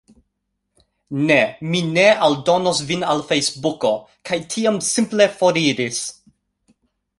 "Ne. Mi ne aldonos vin al Fejsbuko." kaj tiam simple foriris.